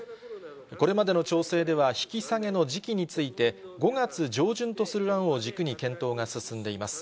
これまでの調整では、引き下げの時期について、５月上旬とする案を軸に検討が進んでいます。